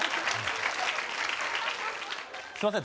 すいません